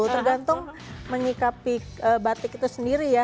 tergantung menyikapi batik itu sendiri ya